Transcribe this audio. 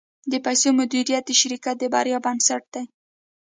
د پیسو مدیریت د شرکت د بریا بنسټ دی.